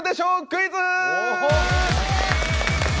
クイズ！